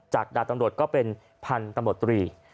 ดาบตำรวจก็เป็นพันธุ์ตำรวจตรี